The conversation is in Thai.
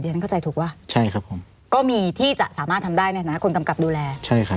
เดี๋ยวฉันเข้าใจถูกว่าก็มีที่จะสามารถทำได้คนกำกับดูแล